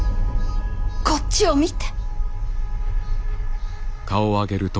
こっちを見て。